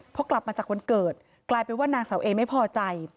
พอกลับมาจากวันเกิดกลายเป็นว่านางเสาเอไม่พอใจ